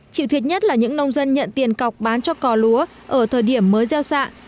chịu thiệt nhất là những nông dân nhận tiền cọc bán cho cò lúa ở thời điểm mới gieo xạ